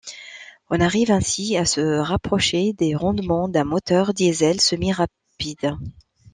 On arrive ainsi à se rapprocher des rendements d'un moteur diesel semi-rapide.